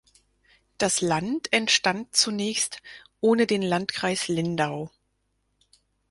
Das Land entstand zunächst ohne den Landkreis Lindau.